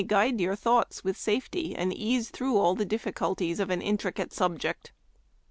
guide your thoughts with safety and ease through all the difficulties of an intricate sub ject.